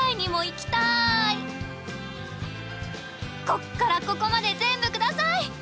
こっからここまで全部下さい！